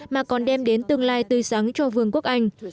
mà còn đem đến tương lai tươi sáng cho vương quốc anh